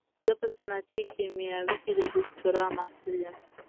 زه په صنعتي کيميا کې د دوکتورا محصل يم.